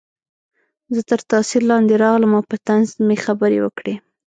زه تر تاثیر لاندې راغلم او په طنز مې خبرې وکړې